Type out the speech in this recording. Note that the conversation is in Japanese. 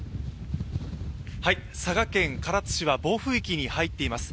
佐賀県唐津市は暴風域に入っています。